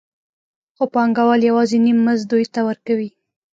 خو پانګوال یوازې نیم مزد دوی ته ورکوي